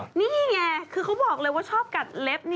นี่ไงคือเขาบอกเลยว่าชอบกัดเล็บ